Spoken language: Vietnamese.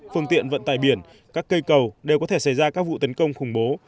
phương tiện vận tải biển các cây cầu đều có thể xảy ra các vụ tấn công khủng bố